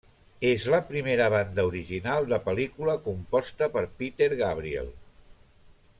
És la primera banda original de pel·lícula composta per Peter Gabriel.